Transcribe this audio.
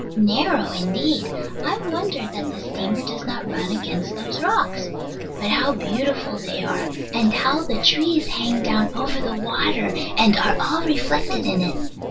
Narrow indeed. I wonder that the steamer does not run against those rocks. But how beautiful they are, and how the trees hang down over the water, and are all reflected in it!